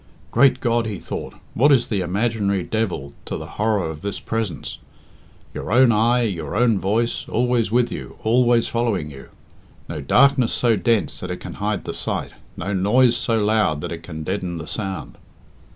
"Great God!" he thought, "what is the imaginary devil to the horror of this presence? Your own eye, your own voice, always with you, always following you! No darkness so dense that it can hide the sight, no noise so loud that it can deaden the sound!"